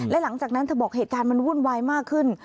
และหลังจากนั้นเธอบอกเหตุการณ์มันวุ่นวายมากขึ้น